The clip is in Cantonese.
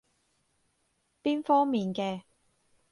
邊方面嘅？